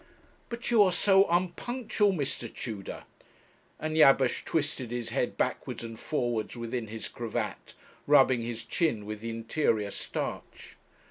'But you are so unpunctual, Mr. Tudor,' and Jabesh twisted his head backwards and forwards within his cravat, rubbing his chin with the interior starch.